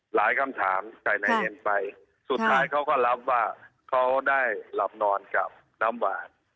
คำถามใส่นายเอ็มไปสุดท้ายเขาก็รับว่าเขาได้หลับนอนกับน้ำหวาน